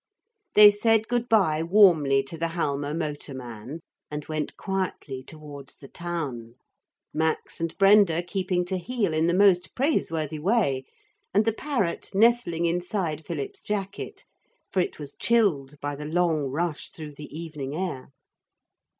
] They said good bye warmly to the Halma motor man, and went quietly towards the town, Max and Brenda keeping to heel in the most praiseworthy way, and the parrot nestling inside Philip's jacket, for it was chilled by the long rush through the evening air.